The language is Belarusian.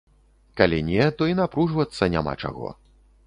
Калі не, то і напружвацца няма чаго.